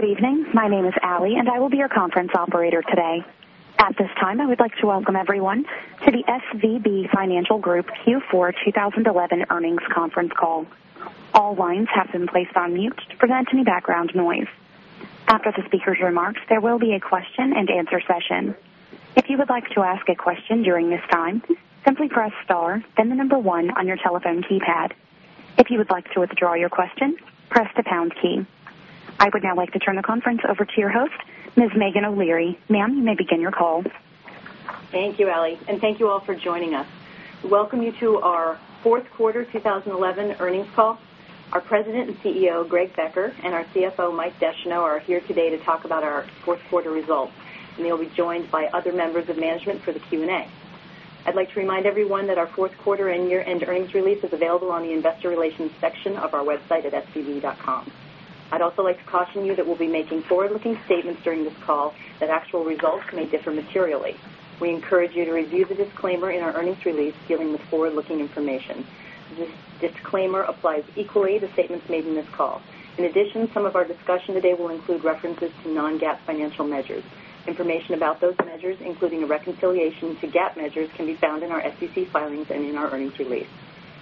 Good evening. My name is Allie, and I will be your conference operator today. At this time, I would like to welcome everyone to the SVB Financial Group Q4 2011 earnings conference call. All lines have been placed on mute to prevent any background noise. After the speaker's remarks, there will be a question and answer session. If you would like to ask a question during this time, simply press star, then the number one on your telephone keypad. If you would like to withdraw your question, press the pound key. I would now like to turn the conference over to your host, Ms. Meghan O'Leary. Ma'am, you may begin your call. Thank you, Allie, and thank you all for joining us. We welcome you to our fourth quarter 2011 earnings call. Our President and CEO, Greg Becker, and our CFO, Mike Descheneaux, are here today to talk about our fourth quarter results, and they will be joined by other members of management for the Q&A. I'd like to remind everyone that our fourth quarter and year-end earnings release is available on the Investor Relations section of our website at svb.com. I'd also like to caution you that we'll be making forward-looking statements during this call that actual results may differ materially. We encourage you to review the disclaimer in our earnings release dealing with forward-looking information. This disclaimer applies equally to statements made in this call. In addition, some of our discussion today will include references to non-GAAP financial measures. Information about those measures, including a reconciliation to GAAP measures, can be found in our SEC filings and in our earnings release.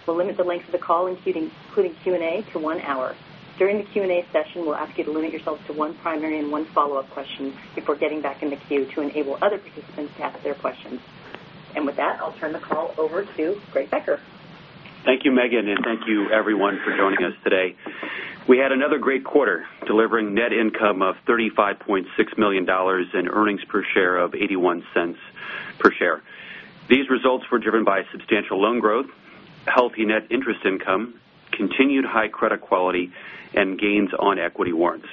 We'll limit the length of the call, including Q&A, to one hour. During the Q&A session, we'll ask you to limit yourself to one primary and one follow-up question before getting back in the queue to enable other participants to ask their questions. With that, I'll turn the call over to Greg Becker. Thank you, Meghan, and thank you, everyone, for joining us today. We had another great quarter, delivering net income of $35.6 million and earnings per share of $0.81 per share. These results were driven by substantial loan growth, healthy net interest income, continued high credit quality, and gains on equity warrants.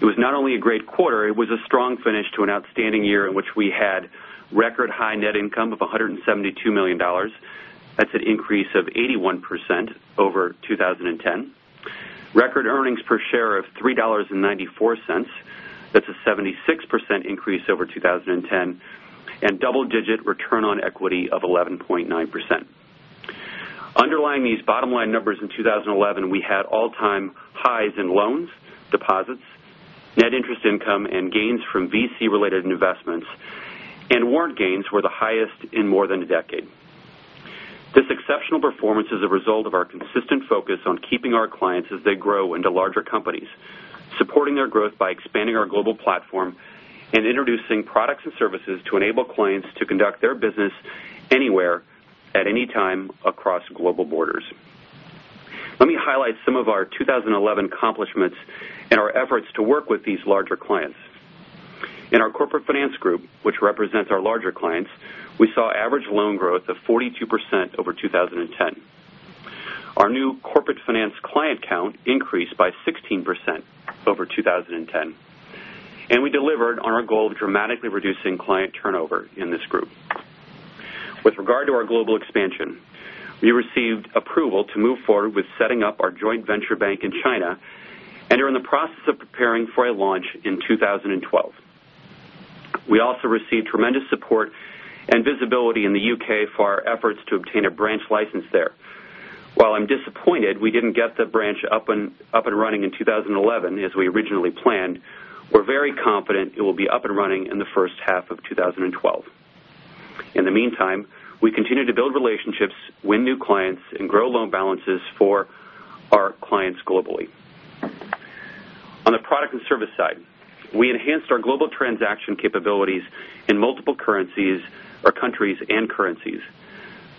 It was not only a great quarter, it was a strong finish to an outstanding year in which we had record high net income of $172 million. That's an increase of 81% over 2010, record earnings per share of $3.94. That's a 76% increase over 2010 and double-digit return on equity of 11.9%. Underlying these bottom-line numbers in 2011, we had all-time highs in loans, deposits, net interest income, and gains from VC-related investments, and warrant gains were the highest in more than a decade. This exceptional performance is a result of our consistent focus on keeping our clients as they grow into larger companies, supporting their growth by expanding our global platform and introducing products and services to enable clients to conduct their business anywhere, at any time, across global borders. Let me highlight some of our 2011 accomplishments and our efforts to work with these larger clients. In our corporate finance group, which represents our larger clients, we saw average loan growth of 42% over 2010. Our new corporate finance client count increased by 16% over 2010, and we delivered on our goal of dramatically reducing client turnover in this group. With regard to our global expansion, we received approval to move forward with setting up our joint venture bank in China and are in the process of preparing for a launch in 2012. We also received tremendous support and visibility in the U.K. for our efforts to obtain a branch license there. While I'm disappointed we didn't get the branch up and running in 2011 as we originally planned, we're very confident it will be up and running in the first half of 2012. In the meantime, we continue to build relationships, win new clients, and grow loan balances for our clients globally. On the product and service side, we enhanced our global transaction capabilities in multiple currencies or countries and currencies.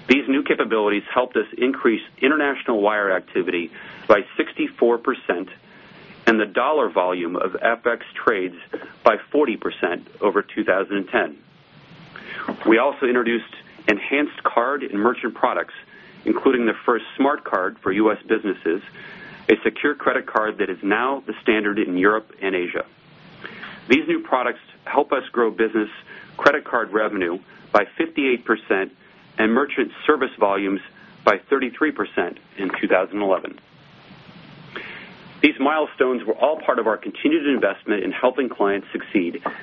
These new capabilities helped us increase international wire activity by 64% and the dollar volume of FX trades by 40% over 2010. We also introduced enhanced card and merchant products, including the first smart card for U.S. businesses, a secure credit card that is now the standard in Europe and Asia. These new products helped us grow business credit card revenue by 58% and merchant service volumes by 33% in 2011. These milestones were all part of our continued investment in helping clients succeed, and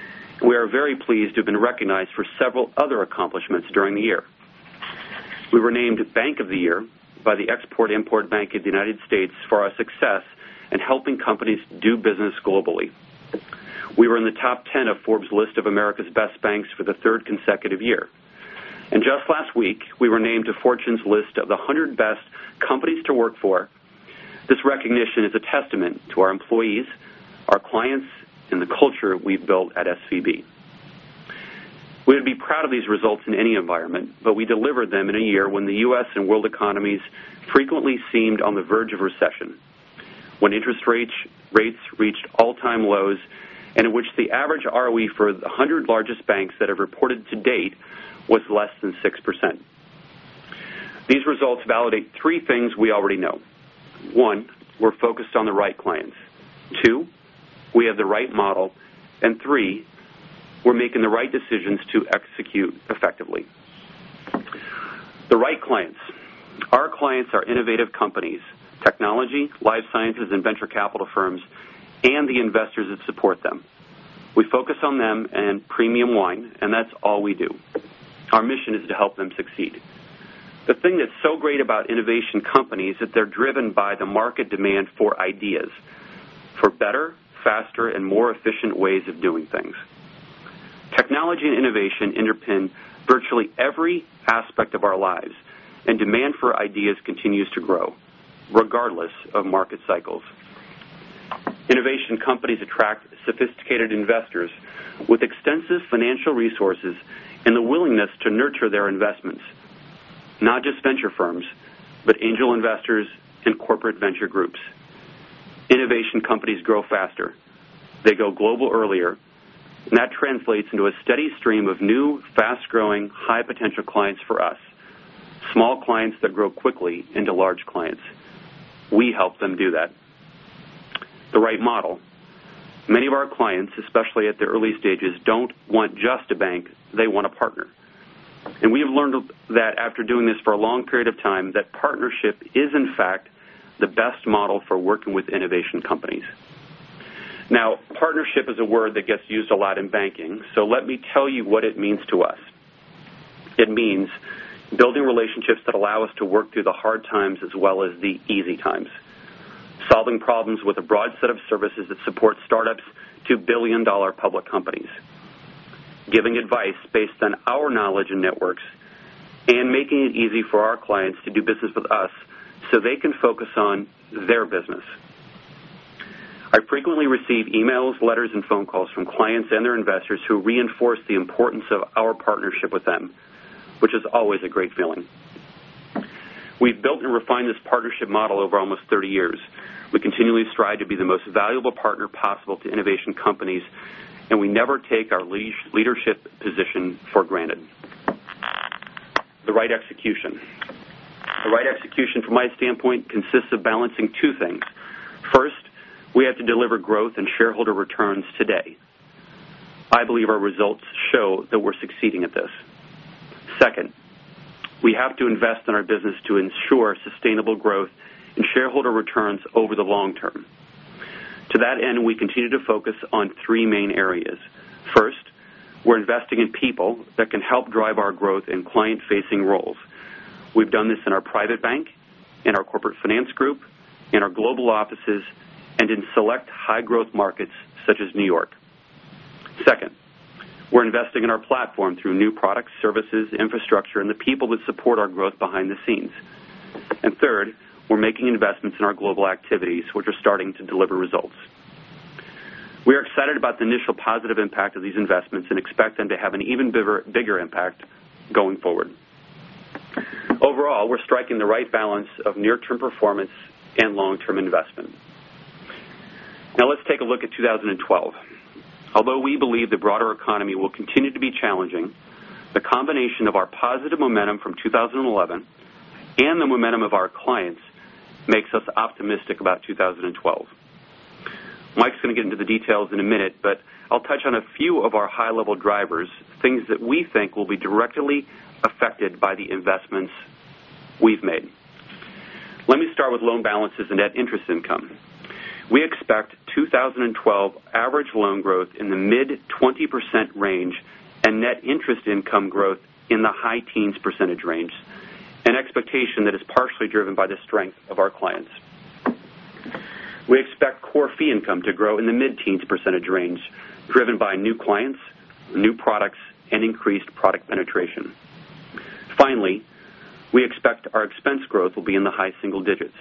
we are very pleased to have been recognized for several other accomplishments during the year. We were named Bank of the Year by the Export-Import Bank of the United States for our success in helping companies do business globally. We were in the top 10 of Forbes' list of America's best banks for the third consecutive year. Just last week, we were named to Fortune's list of the 100 best companies to work for. This recognition is a testament to our employees, our clients, and the culture we've built at SVB. We would be proud of these results in any environment, but we delivered them in a year when the U.S. and world economies frequently seemed on the verge of recession, when interest rates reached all-time lows, and in which the average ROE for the 100 largest banks that have reported to date was less than 6%. These results validate three things we already know. One, we're focused on the right clients. Two, we have the right model. Three, we're making the right decisions to execute effectively. The right clients. Our clients are innovative companies, technology, life sciences, and venture capital firms, and the investors that support them. We focus on them and premium wine, and that's all we do. Our mission is to help them succeed. The thing that's so great about innovation companies is that they're driven by the market demand for ideas, for better, faster, and more efficient ways of doing things. Technology and innovation underpin virtually every aspect of our lives, and demand for ideas continues to grow regardless of market cycles. Innovation companies attract sophisticated investors with extensive financial resources and the willingness to nurture their investments, not just venture firms, but angel investors and corporate venture groups. Innovation companies grow faster. They go global earlier, and that translates into a steady stream of new, fast-growing, high-potential clients for us, small clients that grow quickly into large clients. We help them do that. The right model. Many of our clients, especially at the early stages, don't want just a bank. They want a partner. We have learned that after doing this for a long period of time, partnership is, in fact, the best model for working with innovation companies. Partnership is a word that gets used a lot in banking, so let me tell you what it means to us. It means building relationships that allow us to work through the hard times as well as the easy times, solving problems with a broad set of services that support startups to billion-dollar public companies, giving advice based on our knowledge and networks, and making it easy for our clients to do business with us so they can focus on their business. I frequently receive emails, letters, and phone calls from clients and their investors who reinforce the importance of our partnership with them, which is always a great feeling. We have built and refined this partnership model over almost 30 years. We continually strive to be the most valuable partner possible to innovation companies, and we never take our leadership position for granted. The right execution, from my standpoint, consists of balancing two things. First, we have to deliver growth and shareholder returns today. I believe our results show that we're succeeding at this. Second, we have to invest in our business to ensure sustainable growth and shareholder returns over the long term. To that end, we continue to focus on three main areas. First, we're investing in people that can help drive our growth in client-facing roles. We have done this in our private bank, in our corporate finance group, in our global offices, and in select high-growth markets such as New York. Second, we're investing in our platform through new products, services, infrastructure, and the people that support our growth behind the scenes. Third, we're making investments in our global activities, which are starting to deliver results. We are excited about the initial positive impact of these investments and expect them to have an even bigger impact going forward. Overall, we're striking the right balance of near-term performance and long-term investment. Now, let's take a look at 2012. Although we believe the broader economy will continue to be challenging, the combination of our positive momentum from 2011 and the momentum of our clients makes us optimistic about 2012. Mike is going to get into the details in a minute, but I'll touch on a few of our high-level drivers, things that we think will be directly affected by the investments we've made. Let me start with loan balances and net interest income. We expect 2012 average loan growth in the mid-20% range and net interest income growth in the high-teens percent range, an expectation that is partially driven by the strength of our clients. We expect core fee income to grow in the mid-teens percent range, driven by new clients, new products, and increased product penetration. Finally, we expect our expense growth will be in the high single digits.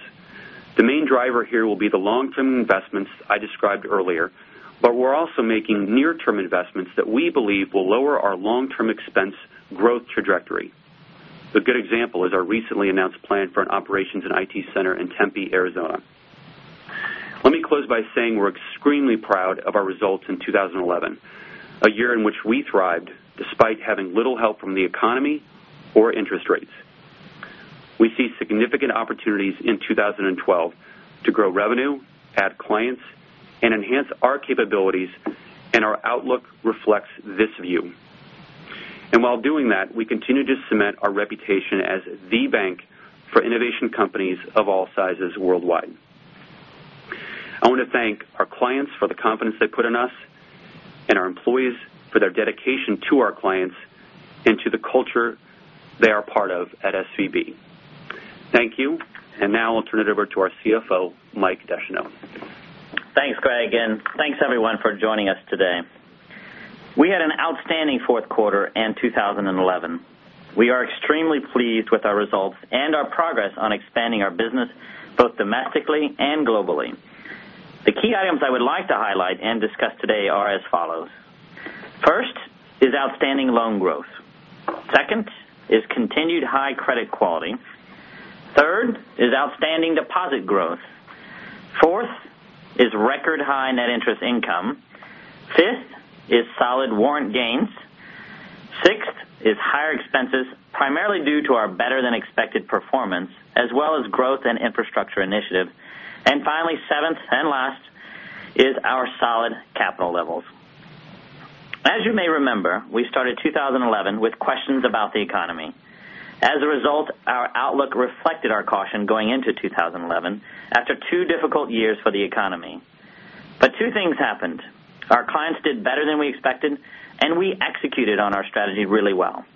The main driver here will be the long-term investments I described earlier, but we're also making near-term investments that we believe will lower our long-term expense growth trajectory. A good example is our recently announced plan for an operations and IT center in Tempe, Arizona. Let me close by saying we're extremely proud of our results in 2011, a year in which we thrived despite having little help from the economy or interest rates. We see significant opportunities in 2012 to grow revenue, add clients, and enhance our capabilities, and our outlook reflects this view. While doing that, we continue to cement our reputation as the bank for innovation companies of all sizes worldwide. I want to thank our clients for the confidence they put in us and our employees for their dedication to our clients and to the culture they are part of at SVB. Thank you, and now I'll turn it over to our CFO, Mike Descheneaux. Thanks, Greg, and thanks, everyone, for joining us today. We had an outstanding fourth quarter in 2011. We are extremely pleased with our results and our progress on expanding our business both domestically and globally. The key items I would like to highlight and discuss today are as follows. First is outstanding loan growth. Second is continued high credit quality. Third is outstanding deposit growth. Fourth is record high net interest income. Fifth is solid warrant gains. Sixth is higher expenses, primarily due to our better-than-expected performance, as well as growth and infrastructure initiative. Finally, seventh and last is our solid capital levels. As you may remember, we started 2011 with questions about the economy. As a result, our outlook reflected our caution going into 2011 after two difficult years for the economy. Two things happened. Our clients did better than we expected, and we executed on our strategy really well.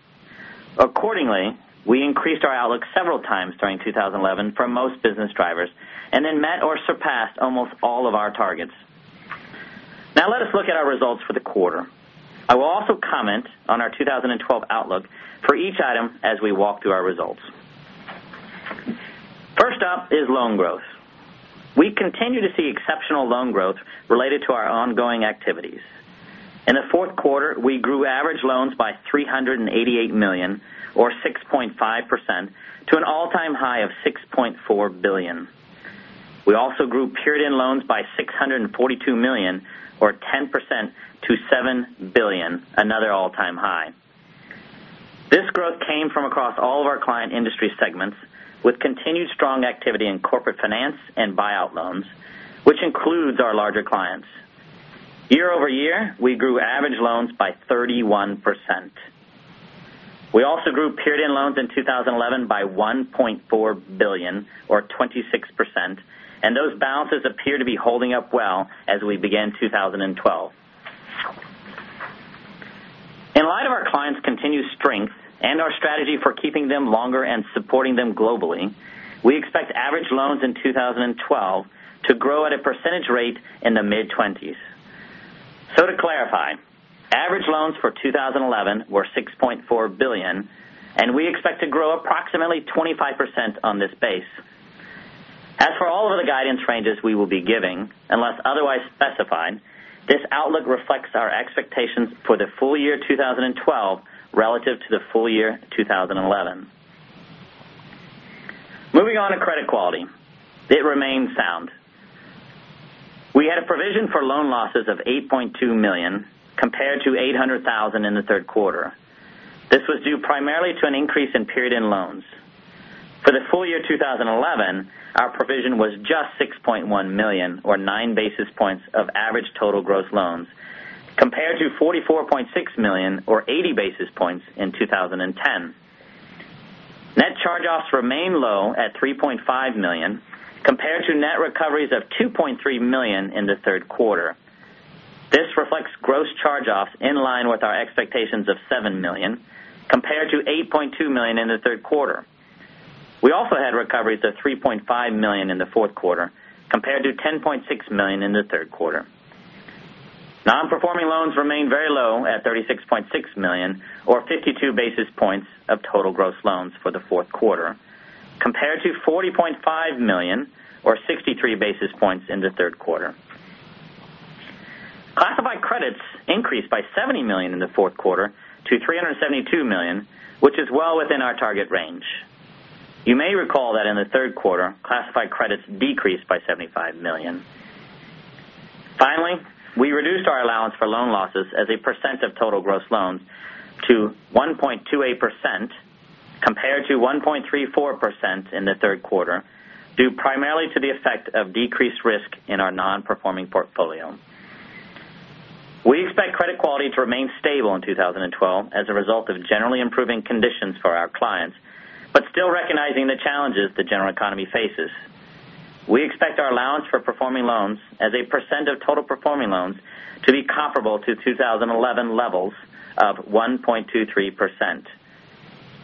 Accordingly, we increased our outlook several times during 2011 for most business drivers and then met or surpassed almost all of our targets. Now, let us look at our results for the quarter. I will also comment on our 2012 outlook for each item as we walk through our results. First up is loan growth. We continue to see exceptional loan growth related to our ongoing activities. In the fourth quarter, we grew average loans by $388 million, or 6.5%, to an all-time high of $6.4 billion. We also grew period-end loans by $642 million, or 10%, to $7 billion, another all-time high. This growth came from across all of our client industry segments, with continued strong activity in corporate finance and buyout loans, which includes our larger clients. Year-over-year, we grew average loans by 31%. We also grew period-end loans in 2011 by $1.4 billion, or 26%, and those balances appear to be holding up well as we began 2012. In light of our clients' continued strength and our strategy for keeping them longer and supporting them globally, we expect average loans in 2012 to grow at a percentage rate in the mid-20s. To clarify, average loans for 2011 were $6.4 billion, and we expect to grow approximately 25% on this base. As for all of the guidance ranges we will be giving, unless otherwise specified, this outlook reflects our expectations for the full year 2012 relative to the full year 2011. Moving on to credit quality, it remains sound. We had a provision for loan losses of $8.2 million compared to $800,000 in the third quarter. This was due primarily to an increase in period-end loans. For the full year 2011, our provision was just $6.1 million, or 9 basis points of average total gross loans, compared to $44.6 million, or 80 basis points in 2010. Net charge-offs remain low at $3.5 million compared to net recoveries of $2.3 million in the third quarter. This reflects gross charge-offs in line with our expectations of $7 million compared to $8.2 million in the third quarter. We also had recoveries of $3.5 million in the fourth quarter compared to $10.6 million in the third quarter. Non-performing loans remain very low at $36.6 million, or 52 basis points of total gross loans for the fourth quarter, compared to $40.5 million, or 63 basis points in the third quarter. Classified credits increased by $70 million in the fourth quarter to $372 million, which is well within our target range. You may recall that in the third quarter, classified credits decreased by $75 million. Finally, we reduced our allowance for loan losses as a percent of total gross loans to 1.28%, compared to 1.34% in the third quarter, due primarily to the effect of decreased risk in our non-performing portfolio. We expect credit quality to remain stable in 2012 as a result of generally improving conditions for our clients, but still recognizing the challenges the general economy faces. We expect our allowance for performing loans, as a percent of total performing loans, to be comparable to 2011 levels of 1.23%.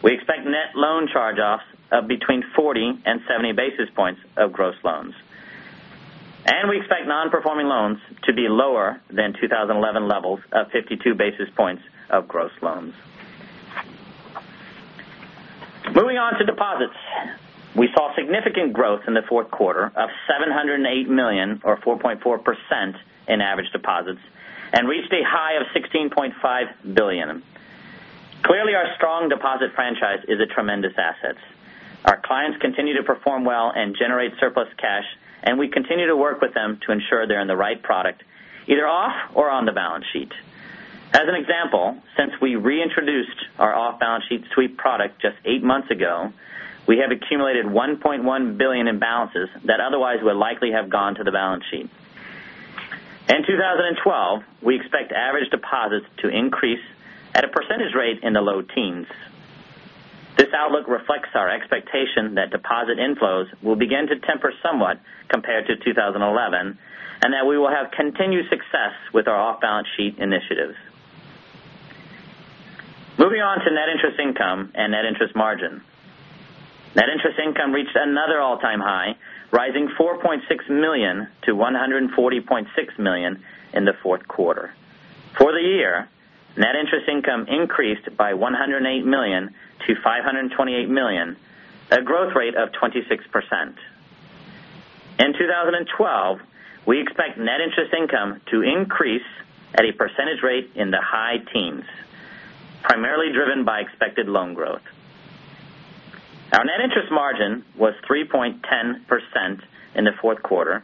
We expect net loan charge-offs of between 40 basis points and 70 basis points of gross loans. We expect non-performing loans to be lower than 2011 levels of 52 bps of gross loans. Moving on to deposits, we saw significant growth in the fourth quarter of $708 million, or 4.4% in average deposits, and reached a high of $16.5 billion. Clearly, our strong deposit franchise is a tremendous asset. Our clients continue to perform well and generate surplus cash, and we continue to work with them to ensure they're in the right product, either off or on the balance sheet. As an example, since we reintroduced our off-balance-sheet suite product just eight months ago, we have accumulated $1.1 billion in balances that otherwise would likely have gone to the balance sheet. In 2012, we expect average deposits to increase at a percentage rate in the low teens. This outlook reflects our expectation that deposit inflows will begin to temper somewhat compared to 2011 and that we will have continued success with our off-balance-sheet initiatives. Moving on to net interest income and net interest margin. Net interest income reached another all-time high, rising $4.6 million-$140.6 million in the fourth quarter. For the year, net interest income increased by $108 million-$528 million, a growth rate of 26%. In 2012, we expect net interest income to increase at a percentage rate in the high-teens, primarily driven by expected loan growth. Our net interest margin was 3.10% in the fourth quarter,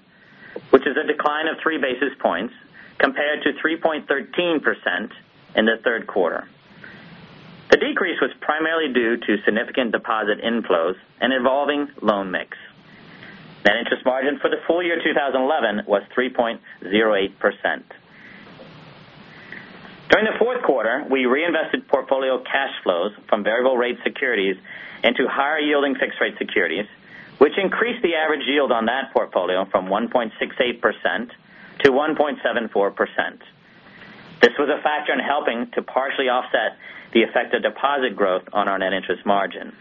which is a decline of three basis points compared to 3.13% in the third quarter. The decrease was primarily due to significant deposit inflows and evolving loan mix. Net interest margin for the full year 2011 was 3.08%. During the fourth quarter, we reinvested portfolio cash flows from variable-rate securities into higher-yielding fixed-rate securities, which increased the average yield on that portfolio from 1.68%-1.74%. This was a factor in helping to partially offset the effect of deposit growth on our net interest margin.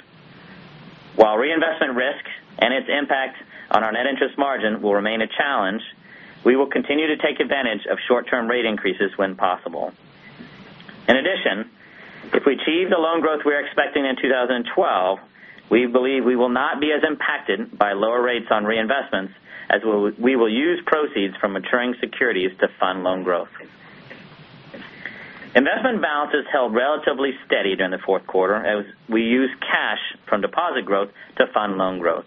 While reinvestment risks and its impacts on our net interest margin will remain a challenge, we will continue to take advantage of short-term rate increases when possible. In addition, if we achieve the loan growth we are expecting in 2012, we believe we will not be as impacted by lower rates on reinvestments as we will use proceeds from maturing securities to fund loan growth. Investment balances held relatively steady during the fourth quarter, as we used cash from deposit growth to fund loanth growth.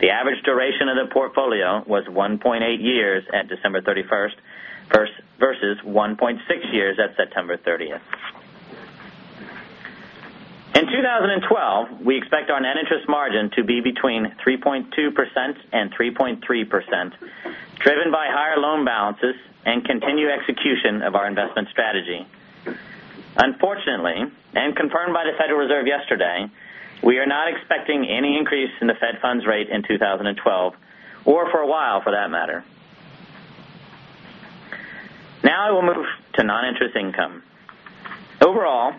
The average duration of the portfolio was 1.8 years at December 31st versus 1.6 years at September 30. In 2012, we expect our net interest margin to be between 3.2% and 3.3%, driven by higher loan balances and continued execution of our investment strategy. Unfortunately, and confirmed by the Federal Reserve yesterday, we are not expecting any increase in the Fed funds rate in 2012, or for a while for that matter. Now, I will move to non-interest income. Overall,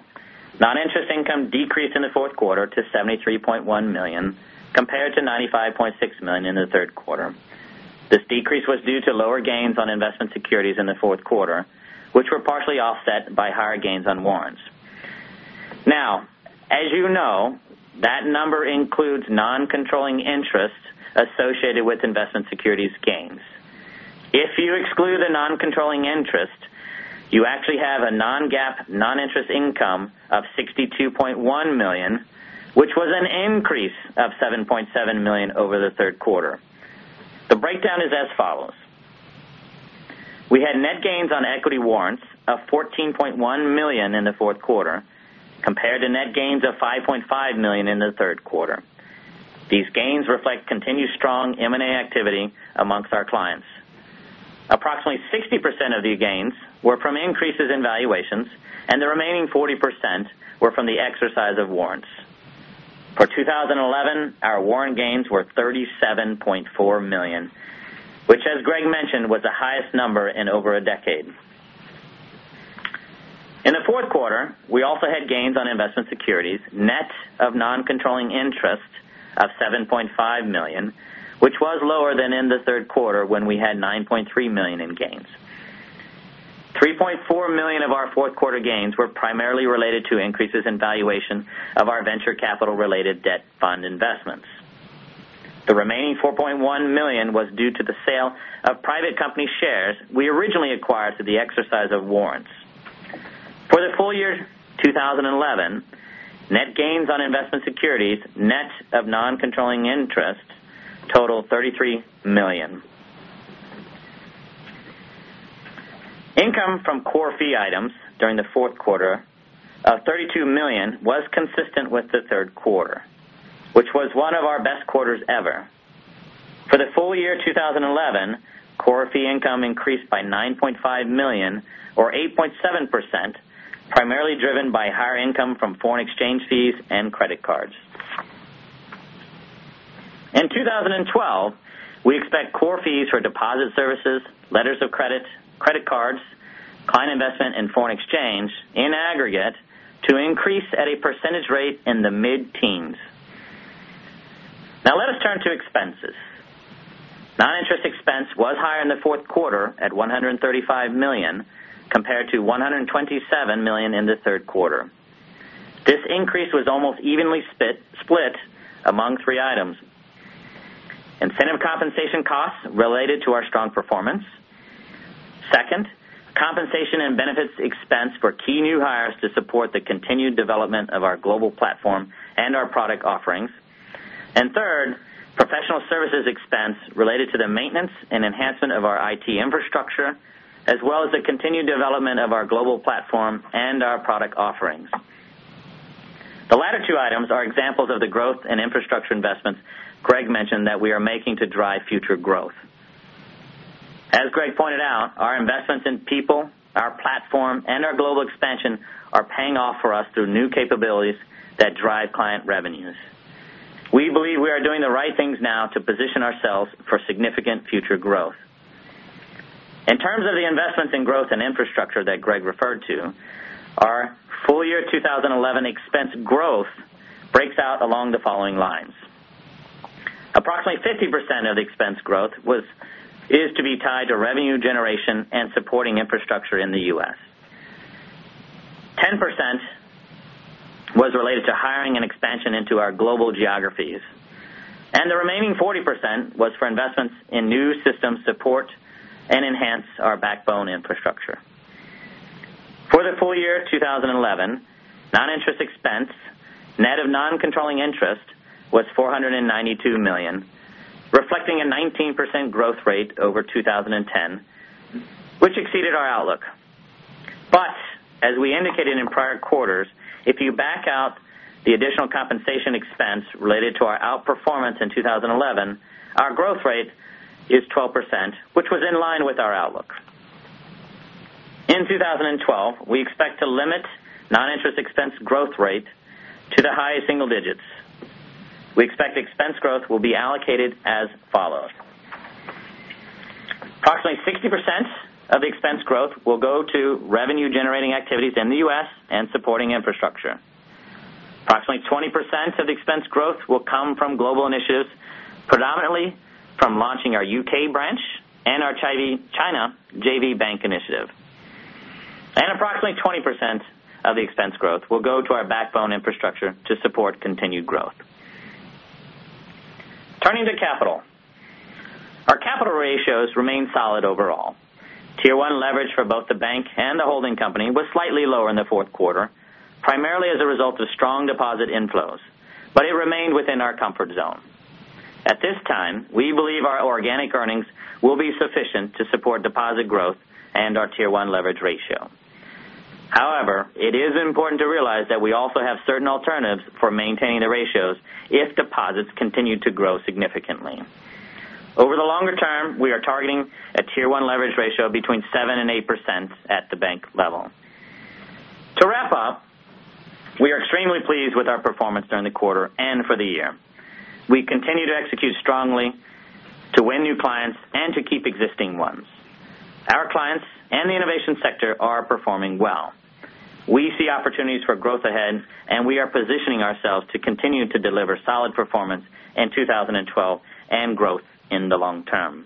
non-interest income decreased in the fourth quarter to $73.1 million compared to $95.6 million in the third quarter. This decrease was due to lower gains on investment securities in the fourth quarter, which were partially offset by higher gains on warrants. Now, as you know, that number includes non-controlling interests associated with investment securities' gains. If you exclude the non-controlling interest, you actually have a non-GAAP non-interest income of $62.1 million, which was an increase of $7.7 million over the third quarter. The breakdown is as follows. We had net gains on equity warrants of $14.1 million in the fourth quarter compared to net gains of $5.5 million in the third quarter. These gains reflect continued strong M&A activity amongst our clients. Approximately 60% of the gains were from increases in valuations, and the remaining 40% were from the exercise of warrants. For 2011, our warrant gains were $37.4 million, which, as Greg Becker mentioned, was the highest number in over a decade. In the fourth quarter, we also had gains on investment securities, net of non-controlling interest of $7.5 million, which was lower than in the third quarter when we had $9.3 million in gains. $3.4 million of our fourth quarter gains were primarily related to increases in valuation of our venture capital-related debt fund investments. The remaining $4.1 million was due to the sale of private company shares we originally acquired through the exercise of warrants. For the full year 2011, net gains on investment securities, net of non-controlling interest totaled $33 million. Income from core fee items during the fourth quarter of $32 million was consistent with the third quarter, which was one of our best quarters ever. For the full year 2011, core fee income increased by $9.5 million or 8.7%, primarily driven by higher income from foreign exchange fees and credit cards. In 2012, we expect core fees for deposit services, letters of credit, credit cards, client investment, and foreign exchange in aggregate to increase at a percentage rate in the mid-teens. Now, let us turn to expenses. Non-interest expense was higher in the fourth quarter at $135 million compared to $127 million in the third quarter. This increase was almost evenly split among three items. Incentive compensation costs related to our strong performance, compensation and benefits expense for key new hires to support the continued development of our global platform and our product offerings, and professional services expense related to the maintenance and enhancement of our IT infrastructure, as well as the continued development of our global platform and our product offerings. The latter two items are examples of the growth and infrastructure investments Greg mentioned that we are making to drive future growth. As Greg pointed out, our investments in people, our platform, and our global expansion are paying off for us through new capabilities that drive client revenues. We believe we are doing the right things now to position ourselves for significant future growth. In terms of the investments in growth and infrastructure that Greg referred to, our full year 2011 expense growth breaks out along the following lines. Approximately 50% of the expense growth is to be tied to revenue generation and supporting infrastructure in the U.S. 10% was related to hiring and expansion into our global geographies, and the remaining 40% was for investments in new systems to support and enhance our backbone infrastructure. For the full year 2011, non-interest expense net of non-controlling interest was $492 million, reflecting a 19% growth rate over 2010, which exceeded our outlook. As we indicated in prior quarters, if you back out the additional compensation expense related to our outperformance in 2011, our growth rate is 12%, which was in line with our outlook. In 2012, we expect to limit non-interest expense growth rate to the highest single digits. We expect expense growth will be allocated as follows. Approximately 60% of the expense growth will go to revenue-generating activities in the U.S. and supporting infrastructure, approximately 20% of the expense growth will come from global initiatives, predominantly from launching our U.K. branch and our China JV Bank initiative, and approximately 20% of the expense growth will go to our backbone infrastructure to support continued growth. Turning to capital, our capital ratios remain solid overall. Tier-1 leverage for both the bank and the holding company was slightly lower in the fourth quarter, primarily as a result of strong deposit inflows, but it remained within our comfort zone. At this time, we believe our organic earnings will be sufficient to support deposit growth and our Tier-1 leverage ratio. However, it is important to realize that we also have certain alternatives for maintaining the ratios if deposits continue to grow significantly. Over the longer term, we are targeting a Tier-1 leverage ratio between 7% and 8% at the bank level. To wrap up, we are extremely pleased with our performance during the quarter and for the year. We continue to execute strongly to win new clients and to keep existing ones. Our clients and the innovation sector are performing well. We see opportunities for growth ahead, and we are positioning ourselves to continue to deliver solid performance in 2012 and growth in the long term.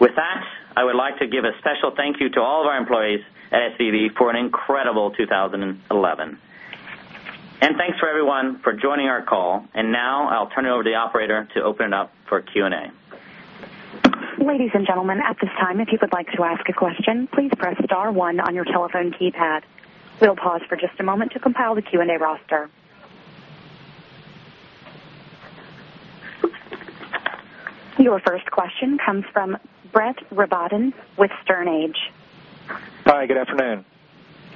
With that, I would like to give a special thank you to all of our employees at SVB Financial Group for an incredible 2011. Thank you everyone for joining our call. I will turn it over to the operator to open it up for Q&A. Ladies and gentlemen, at this time, if you would like to ask a question, please press star one on your telephone keypad. We'll pause for just a moment to compile the Q&A roster. Your first question comes from Brett Rabatin with Stern Agee. Hi, good afternoon.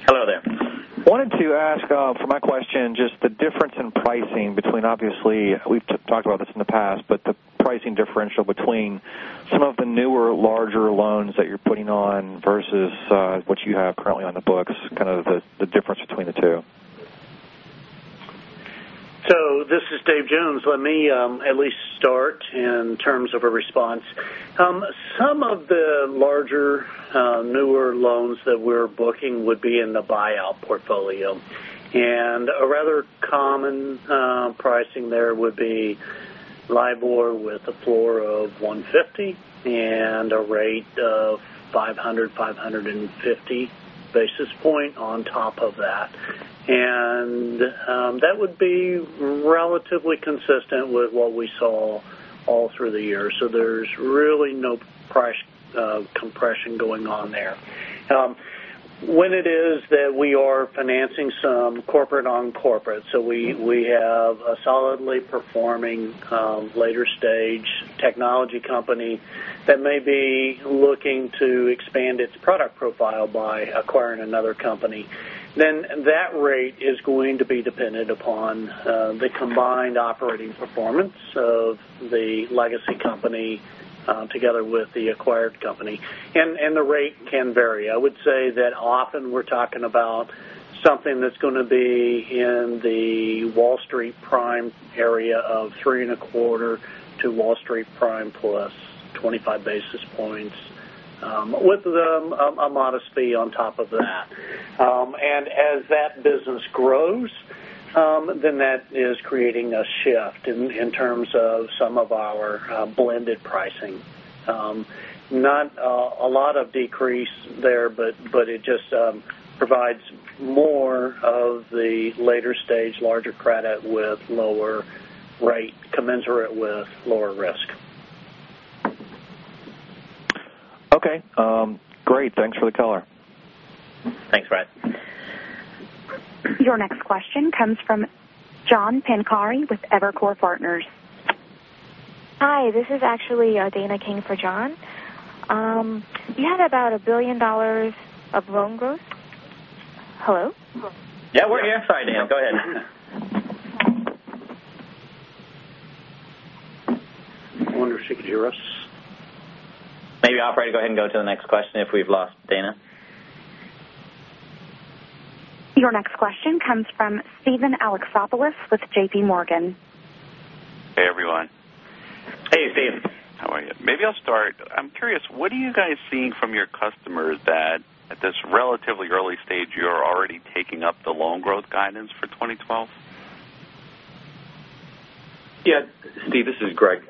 I wanted to ask for my question, just the difference in pricing between obviously we've talked about this in the past, but the pricing differential between some of the newer, larger loans that you're putting on versus what you have currently on the books, kind of the difference between the two. This is Dave Jones. Let me at least start in terms of a response. Some of the larger, newer loans that we're booking would be in the buyout portfolio, and a rather common pricing there would be LIBOR with a floor of $1.50 and a rate of $5.00, $5.50 basis point on top of that. That would be relatively consistent with what we saw all through the year. There is really no price compression going on there. When it is that we are financing some corporate-on-corporate, we have a solidly performing later-stage technology company that may be looking to expand its product profile by acquiring another company, then that rate is going to be dependent upon the combined operating performance of the legacy company together with the acquired company. The rate can vary. I would say that often we're talking about something that's going to be in the Wall Street Prime area of 3.25 to Wall Street Prime+25 basis points with a modest fee on top of that. As that business grows, that is creating a shift in terms of some of our blended pricing. Not a lot of decrease there, but it just provides more of the later-stage larger credit with lower rate, commensurate with lower risk. Okay, great. Thanks for the color. Thanks, Brett. Your next question comes from John Pancari with Evercore Partners. Hi, this is actually Dana King for John. You had about $1 billion of loan growth. Hello? Yeah, we're here. Sorry, Dana, go ahead. I wonder if she could hear us. Maybe, operator, go ahead and go to the next question if we've lost Dana. Your next question comes from Steven Alexopoulos with JPMorgan. Hey, everyone. Hey, Steve. How are you? Maybe I'll start. I'm curious, what are you guys seeing from your customers that at this relatively early stage, you're already taking up the loan growth guidance for 2012? Yeah, Steve, this is Greg.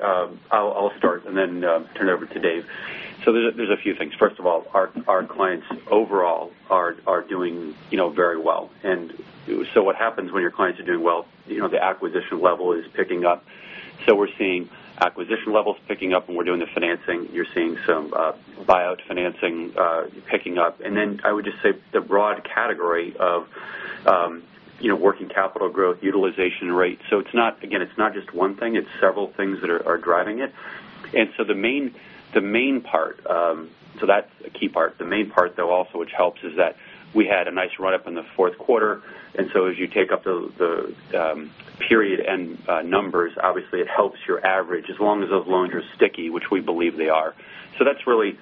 I'll start and then turn it over to Dave. There's a few things. First of all, our clients overall are doing very well. What happens when your clients are doing well, the acquisition level is picking up. We're seeing acquisition levels picking up and we're doing the financing. You're seeing some buyout financing picking up. I would just say the broad category of working capital growth utilization rate. It's not, again, it's not just one thing. It's several things that are driving it. The main part, so that's a key part. The main part, though, also, which helps is that we had a nice run-up in the fourth quarter. As you take up the period and numbers, obviously it helps your average as long as those loans are sticky, which we believe they are. That's really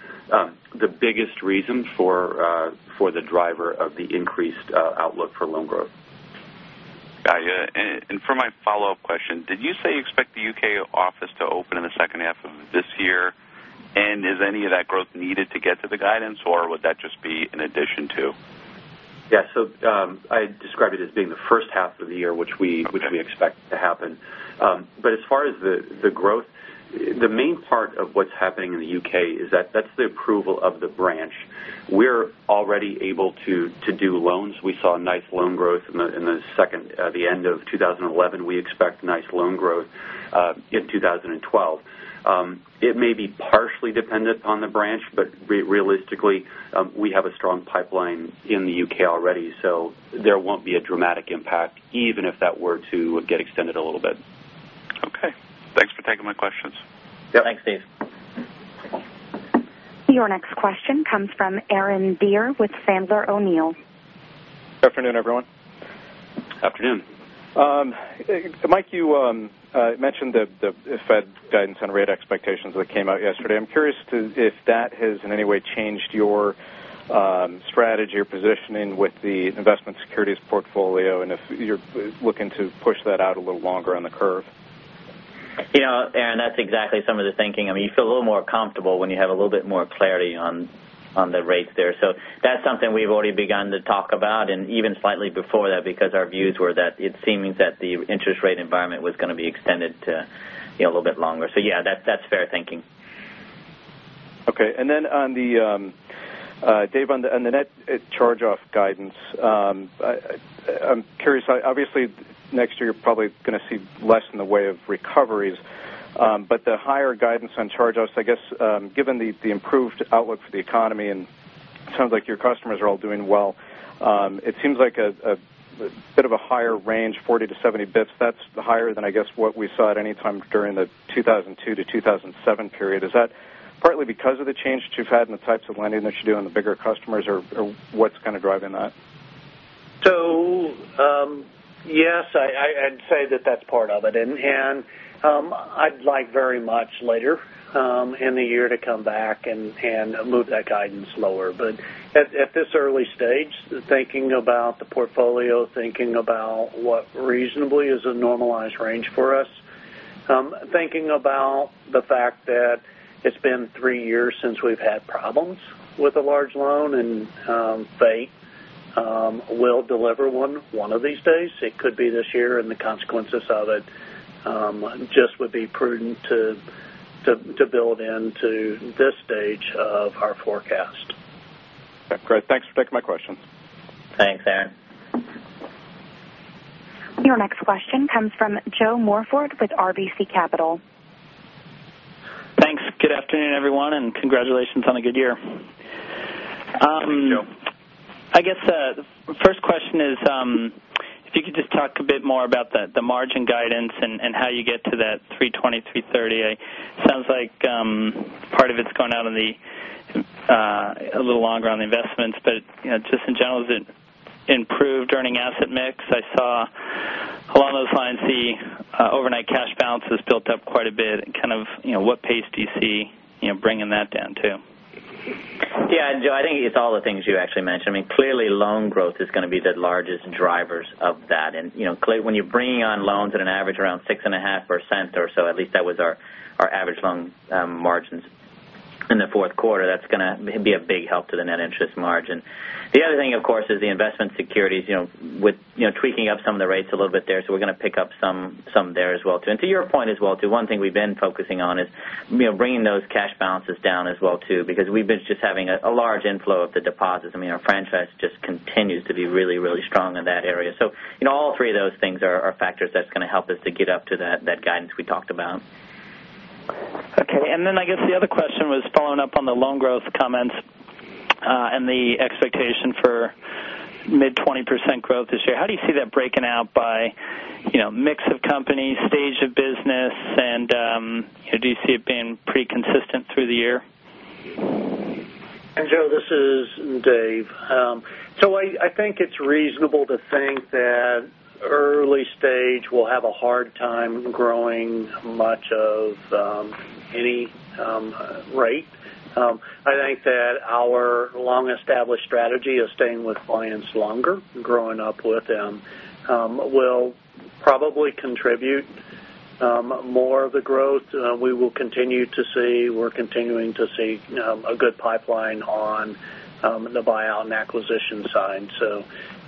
the biggest reason for the driver of the increased outlook for loan growth. Got you. For my follow-up question, did you say you expect the U.K. office to open in the second half of this year? Is any of that growth needed to get to the guidance, or would that just be in addition to? I described it as being the first half of the year, which we expect to happen. As far as the growth, the main part of what's happening in the U.K. is that that's the approval of the branch. We're already able to do loans. We saw nice loan growth in the end of 2011. We expect nice loan growth in 2012. It may be partially dependent upon the branch, but realistically, we have a strong pipeline in the U.K. already. There won't be a dramatic impact, even if that were to get extended a little bit. Okay, thanks for taking my questions. Thanks, Steve. Your next question comes from Aaron Dorr with Piper Sandler. Good afternoon, everyone. Good afternoon. Mike, you mentioned the Fed guidance and rate expectations that came out yesterday. I'm curious if that has in any way changed your strategy or positioning with the investment securities portfolio, and if you're looking to push that out a little longer on the curve. Yeah, that's exactly some of the thinking. I mean, you feel a little more comfortable when you have a little bit more clarity on the rates there. That's something we've already begun to talk about and even slightly before that because our views were that it seems that the interest rate environment was going to be extended a little bit longer. Yeah, that's fair thinking. Okay, on the Dave, on the net charge-off guidance, I'm curious, obviously next year you're probably going to see less in the way of recoveries. The higher guidance on charge-offs, I guess given the improved outlook for the economy and it sounds like your customers are all doing well, it seems like a bit of a higher range, 40 basis points-70 basis points. That's higher than I guess what we saw at any time during the 2002-2007 period. Is that partly because of the change to Fed and the types of lending that you're doing to bigger customers or what's kind of driving that? Yes, I'd say that that's part of it. I'd like very much later in the year to come back and move that guidance lower. At this early stage, thinking about the portfolio, thinking about what reasonably is a normalized range for us, thinking about the fact that it's been three years since we've had problems with a large loan and fate will deliver one one of these days, it could be this year, and the consequences of it just would be prudent to build into this stage of our forecast. Great, thanks for taking my questions. Thanks, Aaron. Your next question comes from Joe Morford with RBC Capital Markets. Thanks. Good afternoon, everyone, and congratulations on a good year. Thanks, Joe. I guess the first question is if you could just talk a bit more about the margin guidance and how you get to that $320 million, $330 million. It sounds like part of it's gone out a little longer on the investments, but just in general, is it improved earning asset mix? I saw along those lines the overnight cash balances built up quite a bit. What pace do you see bringing that down to? Yeah, Joe, I think it's all the things you actually mentioned. I mean, clearly loan growth is going to be the largest drivers of that. When you're bringing on loans at an average around 6.5% or so, at least that was our average loan margins in the fourth quarter, that's going to be a big help to the net interest margin. The other thing, of course, is the investment securities with tweaking up some of the rates a little bit there. We're going to pick up some there as well too. To your point as well too, one thing we've been focusing on is bringing those cash balances down as well too, because we've been just having a large inflow of the deposits. I mean, our franchise just continues to be really, really strong in that area. All three of those things are factors that's going to help us to get up to that guidance we talked about. Okay, I guess the other question was following up on the loan growth comments and the expectation for mid-20% growth this year. How do you see that breaking out by mix of companies, stage of business, and do you see it being pretty consistent through the year? Joe, this is Dave. I think it's reasonable to think that early stage will have a hard time growing much of any rate. I think that our long-established strategy of staying with clients longer and growing up with them will probably contribute more of the growth. We will continue to see, we're continuing to see a good pipeline on the buyout and acquisition side.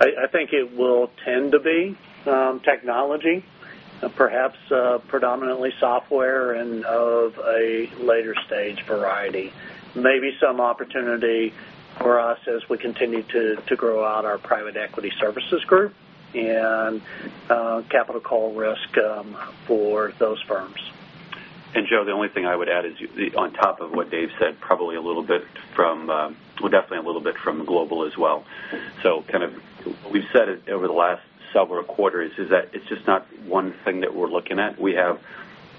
I think it will tend to be technology, perhaps predominantly software and of a later stage variety. Maybe some opportunity for us as we continue to grow out our private equity services group and capital call risk for those firms. The only thing I would add is on top of what Dave Jones said, probably a little bit from, definitely a little bit from global as well. What we've said over the last several quarters is that it's just not one thing that we're looking at. We have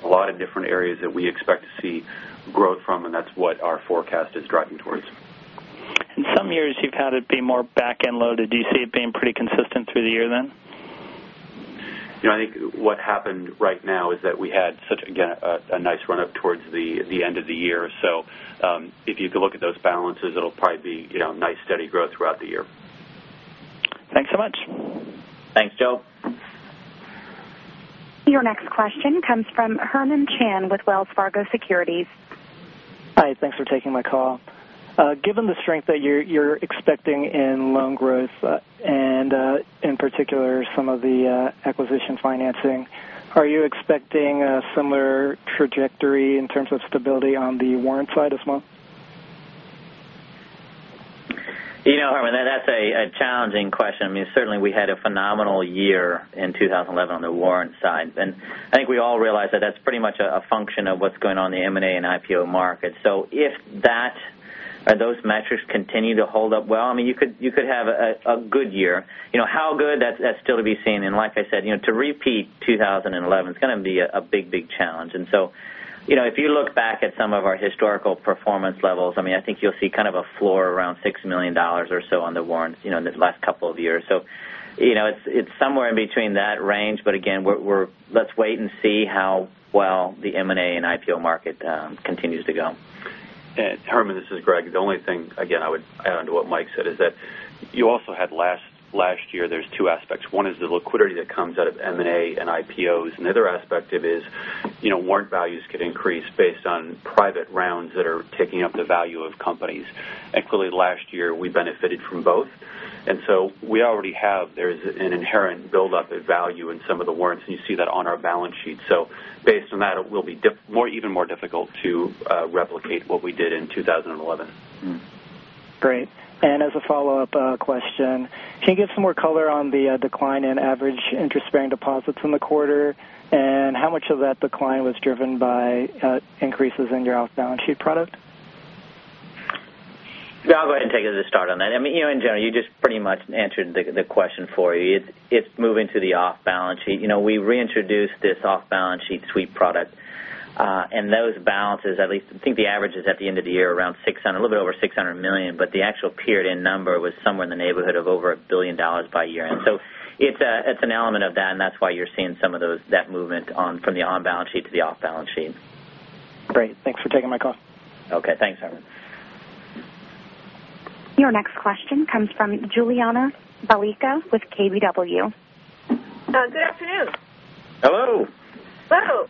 a lot of different areas that we expect to see growth from, and that's what our forecast is driving towards. In some years, you've had it be more back-end loaded. Do you see it being pretty consistent through the year then? I think what happened right now is that we had such, again, a nice run-up towards the end of the year. If you could look at those balances, it'll probably be nice steady growth throughout the year. Thanks so much. Thanks, Joe. Your next question comes from Herman Chan with Wells Fargo Securities. Hi, thanks for taking my call. Given the strength that you're expecting in loan growth and in particular some of the acquisition financing, are you expecting a similar trajectory in terms of stability on the warrant side as well? You know, Herman, that's a challenging question. I mean, certainly we had a phenomenal year in 2011 on the warrant side. I think we all realize that that's pretty much a function of what's going on in the M&A and IPO market. If those metrics continue to hold up well, you could have a good year. You know, how good, that's still to be seen. Like I said, to repeat 2011, it's going to be a big, big challenge. If you look back at some of our historical performance levels, I think you'll see kind of a floor around $6 million or so on the warrants in the last couple of years. It's somewhere in between that range. Again, let's wait and see how well the M&A and IPO market continues to go. Herman, this is Greg. The only thing I would add to what Mike said is that you also had last year, there's two aspects. One is the liquidity that comes out of M&A and IPOs. The other aspect of it is, you know, warrant values could increase based on private rounds that are taking up the value of companies. Clearly, last year we benefited from both. We already have, there's an inherent buildup of value in some of the warrants. You see that on our balance sheet. Based on that, it will be even more difficult to replicate what we did in 2011. Great. As a follow-up question, can you give some more color on the decline in average interest-bearing deposits in the quarter? How much of that decline was driven by increases in your off-balance sheet product? I'll go ahead and take the start on that. In general, you just pretty much answered the question for you. It's moving to the off-balance sheet. We reintroduced this off-balance sheet suite product, and those balances, at least I think the average is at the end of the year around $600 million, a little bit over $600 million. The actual period-end number was somewhere in the neighborhood of over $1 billion by year-end. It's an element of that, and that's why you're seeing some of that movement from the on-balance sheet to the off-balance sheet. Great. Thanks for taking my call. Okay, thanks, Herman. Your next question comes from Juliana Balica with KBW. Good afternoon. Hello. Hello.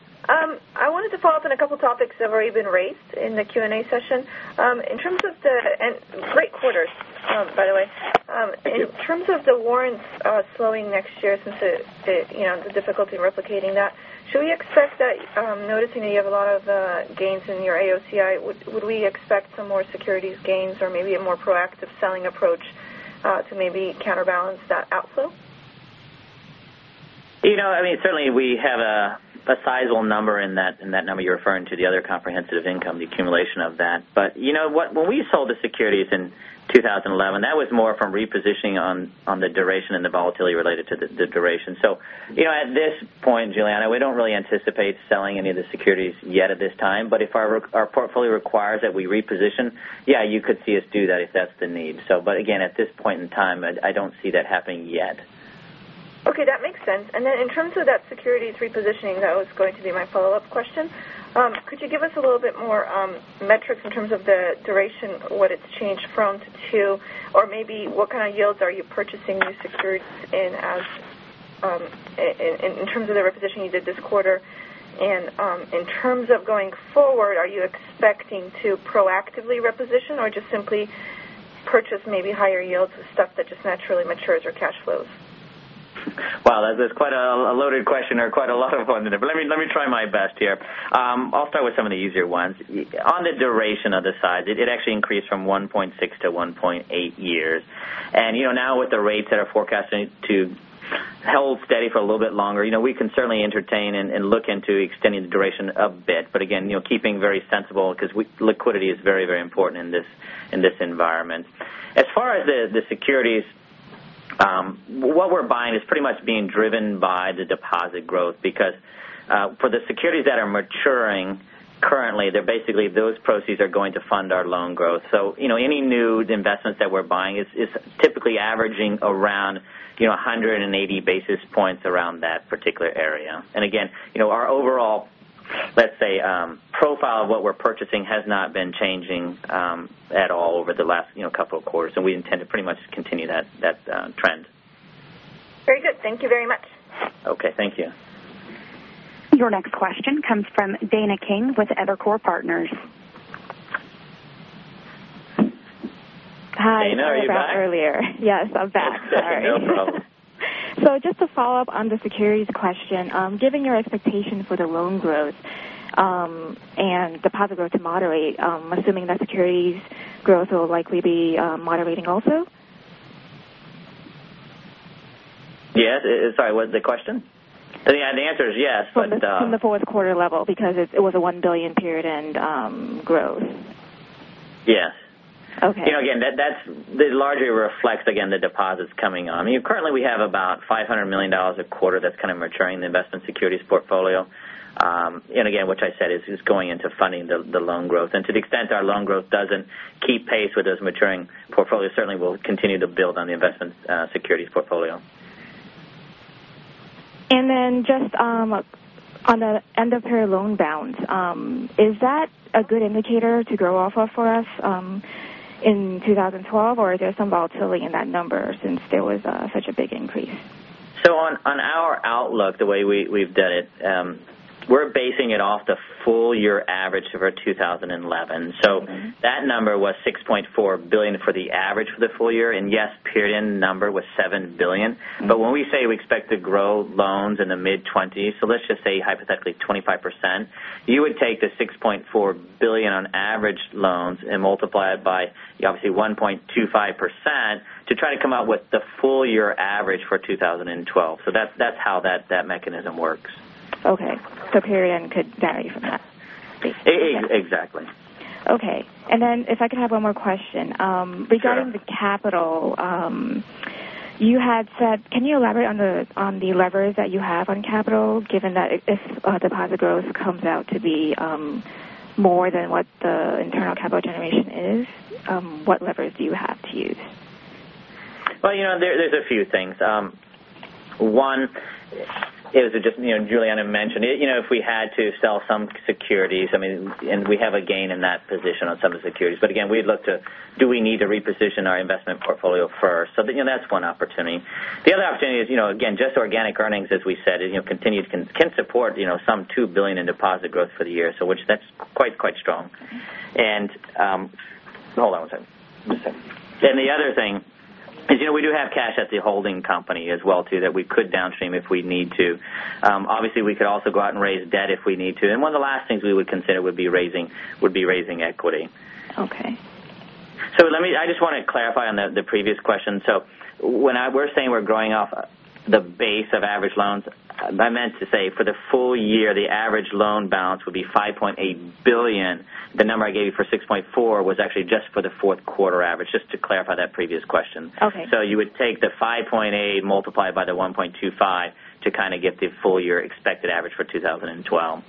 I wanted to follow up on a couple of topics that were even raised in the Q&A session. In terms of the great quarter, by the way, in terms of the warrants slowing next year since the difficulty in replicating that, should we expect that noticing that you have a lot of gains in your AOCI, would we expect some more securities gains or maybe a more proactive selling approach to maybe counterbalance that outflow? Certainly, we have a sizable number in that number you're referring to, the other comprehensive income, the accumulation of that. When we sold the securities in 2011, that was more from repositioning on the duration and the volatility related to the duration. At this point, Juliana, we don't really anticipate selling any of the securities yet at this time. If our portfolio requires that we reposition, you could see us do that if that's the need. Again, at this point in time, I don't see that happening yet. Okay, that makes sense. In terms of that securities repositioning, that was going to be my follow-up question. Could you give us a little bit more metrics in terms of the duration, what it's changed from to, or maybe what kind of yields are you purchasing these securities in in terms of the repositioning you did this quarter? In terms of going forward, are you expecting to proactively reposition or just simply purchase maybe higher yields with stuff that just naturally matures your cash flows? Wow, that's quite a loaded question or quite a lot of ones in it. Let me try my best here. I'll start with some of the easier ones. On the duration of the size, it actually increased from 1.6-1.8 years. You know, now with the rates that are forecasted to hold steady for a little bit longer, we can certainly entertain and look into extending the duration a bit. Again, keeping very sensible because liquidity is very, very important in this environment. As far as the securities, what we're buying is pretty much being driven by the deposit growth because for the securities that are maturing currently, basically those proceeds are going to fund our loan growth. Any new investments that we're buying is typically averaging around 180 basis points around that particular area. Again, our overall, let's say, profile of what we're purchasing has not been changing at all over the last couple of quarters. We intend to pretty much continue that trend. Very good. Thank you very much. Okay, thank you. Your next question comes from Dana King with Evercore Partners. Hi, are you back? I think I was back earlier. Yes, I'm back. Sorry. No problem. Just to follow up on the securities question, given your expectation for the loan growth and deposit growth to moderate, assuming that securities growth will likely be moderating also? Sorry, what was the question? I think the answer is yes. I'm asking the fourth quarter level because it was a $1 billion period and growth. Yes. Okay. You know, that largely reflects the deposits coming on. Currently, we have about $500 million a quarter that's maturing in the investment securities portfolio, which I said is going into funding the loan growth. To the extent our loan growth doesn't keep pace with those maturing portfolios, certainly we'll continue to build on the investment securities portfolio. Just on the end of your loan bounds, is that a good indicator to grow off of for us in 2012, or is there some volatility in that number since there was such a big increase? On our outlook, the way we've done it, we're basing it off the full year average of our 2011. That number was $6.4 billion for the average for the full year. Yes, period end number was $7 billion. When we say we expect to grow loans in the mid-20s, let's just say hypothetically 25%, you would take the $6.4 billion on average loans and multiply it by 1.25 to try to come out with the full year average for 2012. That's how that mechanism works. Okay, so period in could vary from that. Exactly. Okay. If I could have one more question. Sure. Regarding the capital, you had said, can you elaborate on the levers that you have on capital given that if deposit growth comes out to be more than what the internal capital generation is, what levers do you have to use? There are a few things. One is, Juliana mentioned, if we had to sell some securities, and we have a gain in that position on some of the securities. We'd look to do we need to reposition our investment portfolio first? That's one opportunity. The other opportunity is, again, just organic earnings, as we said, continued can support some $2 billion in deposit growth for the year, which is quite strong. Hold on one second. The other thing is, we do have cash at the holding company as well that we could downstream if we need to. Obviously, we could also go out and raise debt if we need to. One of the last things we would consider would be raising equity. Okay. Let me clarify the previous question. When we're saying we're growing off the base of average loans, I meant to say for the full year, the average loan balance would be $5.8 billion. The number I gave you for $6.4 billion was actually just for the fourth quarter average, just to clarify that previous question. Okay. You would take the $5.8 million multiplied by the $1.25 million to kind of get the full year expected average for 2012.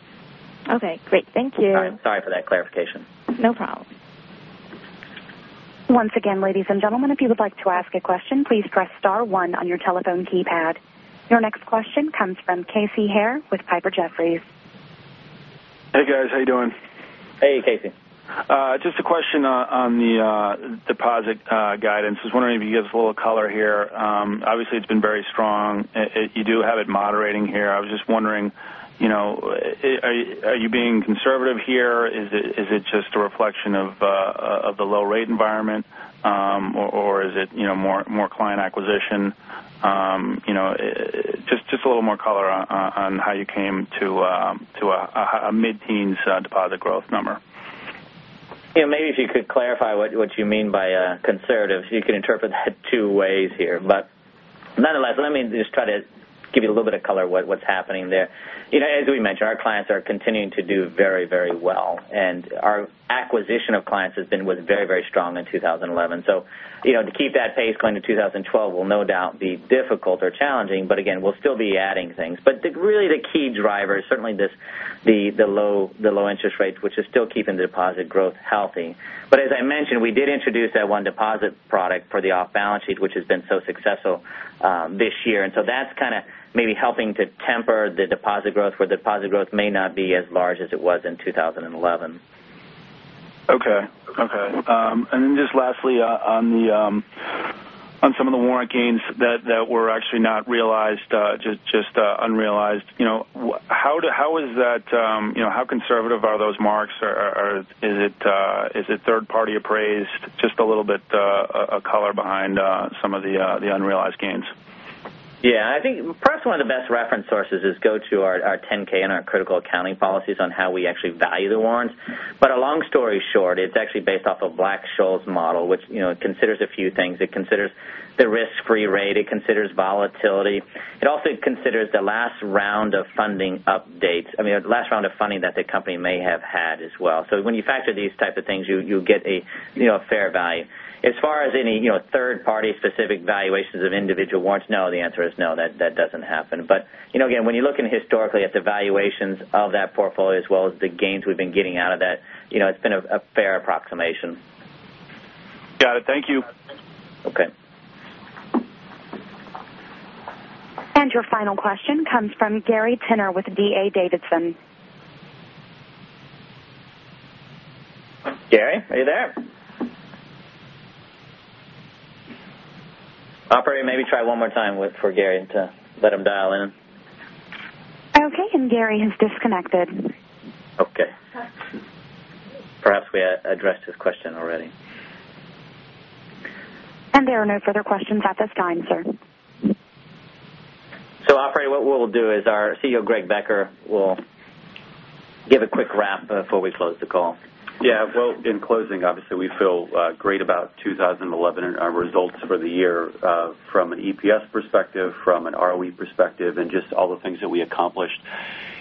Okay, great. Thank you. Sorry for that clarification. No problem. Once again, ladies and gentlemen, if you would like to ask a question, please press star one on your telephone keypad. Your next question comes from Casey Haire with Piper Sandler. Hey guys, how you doing? Hey, Casey. Just a question on the deposit guidance. I was wondering if you could give us a little color here. Obviously, it's been very strong. You do have it moderating here. I was just wondering, you know, are you being conservative here? Is it just a reflection of the low rate environment, or is it, you know, more client acquisition? Just a little more color on how you came to a mid-teens deposit growth number. Maybe if you could clarify what you mean by conservative, you can interpret it two ways here. Let me just try to give you a little bit of color on what's happening there. As we mentioned, our clients are continuing to do very, very well, and our acquisition of clients has been very, very strong in 2011. To keep that pace going to 2012 will no doubt be difficult or challenging. We'll still be adding things. Really, the key driver is certainly the low interest rates, which is still keeping the deposit growth healthy. As I mentioned, we did introduce that one deposit product for the off-balance sheet, which has been so successful this year. That's kind of maybe helping to temper the deposit growth where the deposit growth may not be as large as it was in 2011. Okay. Lastly, on some of the warrant gains that were actually not realized, just unrealized, how is that, you know, how conservative are those marks? Is it third-party appraised? Just a little bit of color behind some of the unrealized gains. Yeah, I think perhaps one of the best reference sources is go to our 10-K and our critical accounting policies on how we actually value the equity warrants. A long story short, it's actually based off of Black-Scholes model, which considers a few things. It considers the risk-free rate, it considers volatility. It also considers the last round of funding updates, the last round of funding that the company may have had as well. When you factor these types of things, you get a fair value. As far as any third-party specific valuations of individual equity warrants, no, the answer is no, that doesn't happen. Again, when you're looking historically at the valuations of that portfolio as well as the gains we've been getting out of that, it's been a fair approximation. Got it, thank you. Okay. Your final question comes from Gary Tenner with D.A. Davidson. Gary, are you there? Operator, maybe try one more time for Gary to let him dial in. Okay, and Gary has disconnected. Okay. Perhaps we addressed his question already. There are no further questions at this time, sir. Operator, what we'll do is our CEO, Greg Becker, will give a quick wrap before we close the call. In closing, obviously, we feel great about 2011 and our results for the year from an EPS perspective, from an ROE perspective, and just all the things that we accomplished.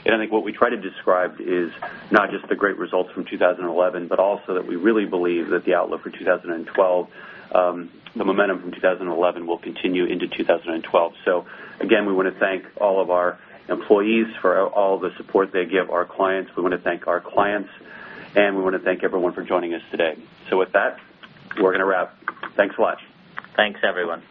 I think what we tried to describe is not just the great results from 2011, but also that we really believe that the outlook for 2012, the momentum from 2011 will continue into 2012. Again, we want to thank all of our employees for all the support they give our clients. We want to thank our clients, and we want to thank everyone for joining us today. With that, we're going to wrap. Thanks a lot. Thanks, everyone.